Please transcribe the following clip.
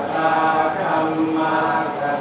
ดูวาด